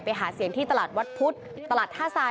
ไปหาเสียงที่ตลาดวัดพุธตลาดท่าทราย